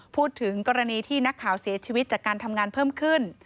พูดถึงกรณีที่นักข่าวเสียชีวิตจากการทำงานเพิ่มขึ้น